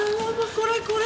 これこれ！